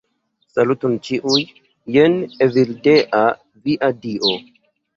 Saluton ĉiuj, jen Evildea, via dio.